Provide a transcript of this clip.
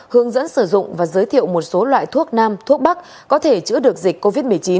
hướng dẫn sử dụng và giới thiệu một số loại thuốc nam thuốc bắc có thể chữa được dịch covid một mươi chín